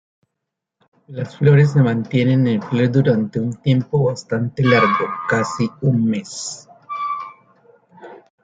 Las flores se mantienen en flor durante un tiempo bastante largo, casi un mes.